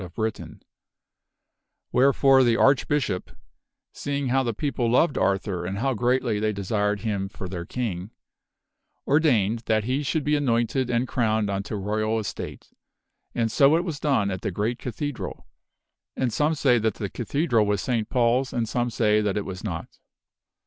lord ^ Britain> Wherefore, the Archbishop (seeing how the people loved Arthur and how greatly they desired him for their King) ordained that he should be anointed and crowned unto royal estate ; and so it was done at the great Cathedral. And some say that that Cathedral' was St. Paul's and some say that it was not.